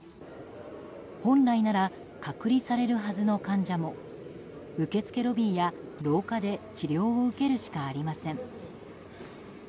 本来なら隔離されるはずの患者も受付ロビーや廊下で治療を受けるしかありません。